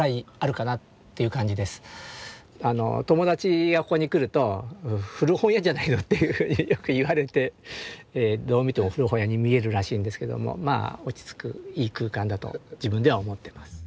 友達がここに来ると「古本屋じゃないの？」というふうによく言われてどう見ても古本屋に見えるらしいんですけどもまあ落ち着くいい空間だと自分では思ってます。